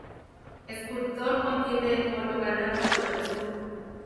Sculptor contiene el polo galáctico del sur.